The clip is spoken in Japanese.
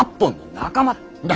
仲間？